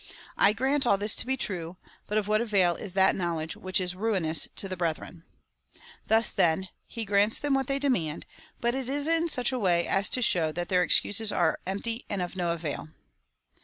I grant all this to be true, but of what avail is that knowledge which is ruinous to the brethren ?" Thus, then, he grants them what they demand, but it is in such a way as to shoAv that their excuses are empty and of no avail.